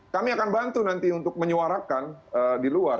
kami akan bantu nanti untuk menyuarakan di luar